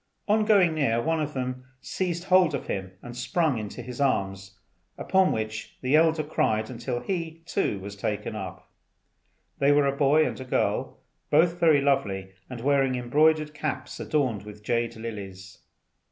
On going near, one of them seized hold of him and sprung into his arms; upon which the elder cried until he, too, was taken up. They were a boy and girl, both very lovely, and wearing embroidered caps adorned with jade lilies.